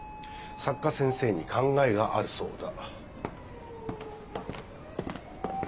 作家先生に考えがあるそうだ。